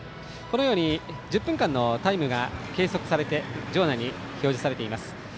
１０分間のタイムが計測されて場内に表示されています。